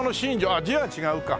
あっ字が違うか。